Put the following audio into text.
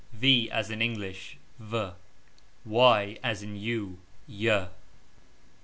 ...... As in English As in you .........